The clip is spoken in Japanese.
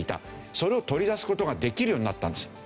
それを取り出す事ができるようになったんです。